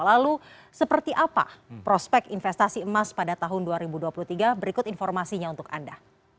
lalu seperti apa prospek investasi emas pada tahun dua ribu dua puluh tiga berikut informasinya untuk anda